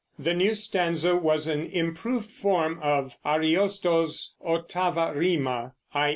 The new stanza was an improved form of Ariosto's ottava rima (i.